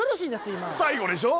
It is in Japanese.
今最後でしょ